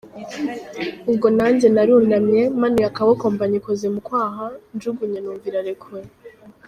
Ubwo nanjye narunamye manuye akaboko mba nyikoze mu kwaha, njunguje numva irarekuye.